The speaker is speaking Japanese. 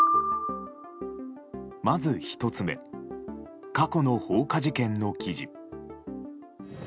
まず１つ目過去の放火事件の記事。